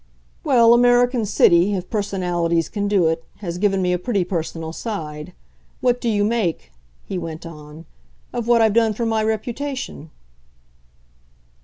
"Well, American City if 'personalities' can do it has given me a pretty personal side. What do you make," he went on, "of what I've done for my reputation?"